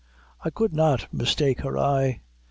I could not mistake her eye.